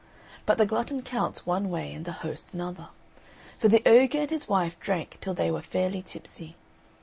But the glutton counts one way and the host another; for the ogre and his wife drank till they were fairly tipsy.